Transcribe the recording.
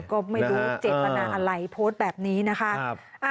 ก็ไม่รู้เจตนาอะไรโพสต์แบบนี้นะคะ